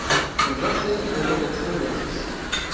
Eu já sei que deve haver semelhanças.